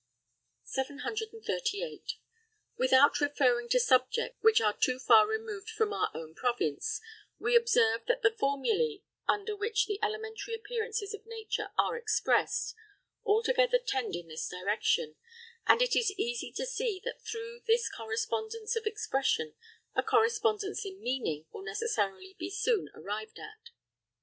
738. Without referring to subjects which are too far removed from our own province, we observe that the formulæ under which the elementary appearances of nature are expressed, altogether tend in this direction; and it is easy to see that through this correspondence of expression, a correspondence in meaning will necessarily be soon arrived at.